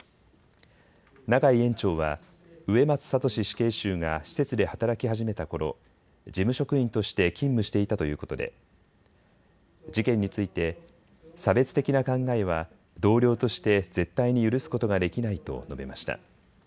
永井園長は植松聖死刑囚が施設で働き始めたころ、事務職員として勤務していたということで事件について差別的な考えは同僚として絶対に許すことができないと述べました。